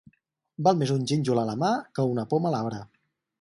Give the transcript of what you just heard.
Val més un gínjol a la mà que una poma a l'arbre.